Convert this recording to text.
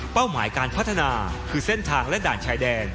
หมายการพัฒนาคือเส้นทางและด่านชายแดน